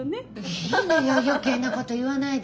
いいのよ余計なこと言わないで。